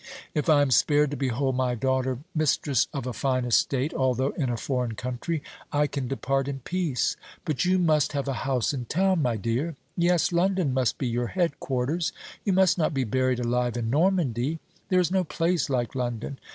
If I am spared to behold my daughter mistress of a fine estate, although in a foreign country, I can depart in peace. But you must have a house in town, my dear. Yes, London must be your head quarters. You must not be buried alive in Normandy. There is no place like London.